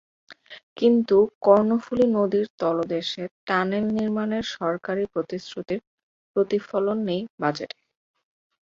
কিন্তু কর্ণফুলী নদীর তলদেশে টানেল নির্মাণের সরকারি প্রতিশ্রুতির প্রতিফলন নেই বাজেটে।